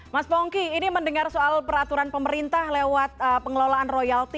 mas pongki ini mendengar soal peraturan pemerintah lewat pengelolaan royalti